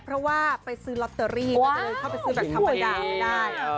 เพราะว่าไปซื้อล็อตเตอรี่ไปซื้อแบบธรรมดาไม่ได้